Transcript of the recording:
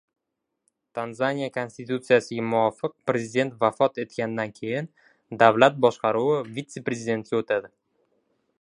Tanzaniya konstitutsiyasiga muvofiq prezident vafot etganidan keyin davlat boshqaruvi vitse-prezidentga o‘tadi.